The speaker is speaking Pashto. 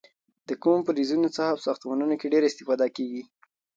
د کومو فلزونو څخه په ساختمانونو کې ډیره استفاده کېږي؟